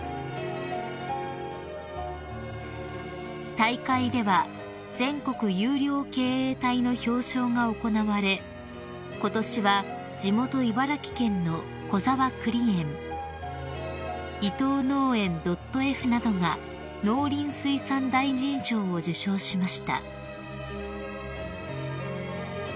［大会では全国優良経営体の表彰が行われことしは地元茨城県の小澤栗園伊藤農園．Ｆなどが農林水産大臣賞を受賞しました］